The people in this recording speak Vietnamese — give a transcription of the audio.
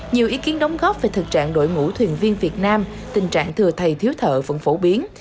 nhiều ý kiến đóng góp về thực trạng đội ngũ thuyền viên việt nam tình trạng thừa thầy thiếu thợ vẫn phổ biến